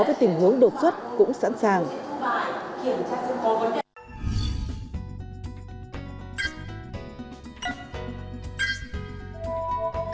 chống đột xuất cũng sẵn sàng kiểm tra chứng có vấn đề à à à à à ừ ừ ừ ừ ừ ừ ừ ừ ừ ừ ừ ừ ừ ừ